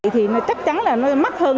thì chắc chắn là nó mắc hơn